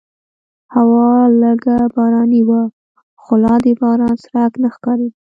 هوا لږه باراني وه خو لا د باران څرک نه ښکارېده.